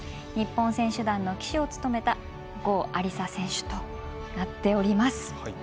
日本選手団の旗手を務めた郷亜里砂選手となっております。